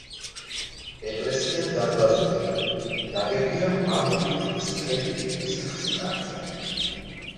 ეკლესია დარბაზულია, ნაგებია აგურით სქელი კირის ხსნარზე.